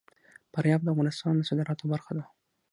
فاریاب د افغانستان د صادراتو برخه ده.